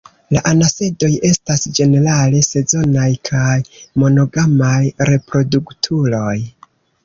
La anasedoj estas ĝenerale sezonaj kaj monogamaj reproduktuloj.